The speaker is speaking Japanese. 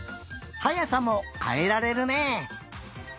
はやさもかえられるね。